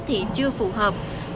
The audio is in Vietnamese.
thì chưa phụ hành